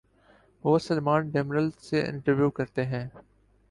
وہ Salman Demirel سے interview کرتے ہیں۔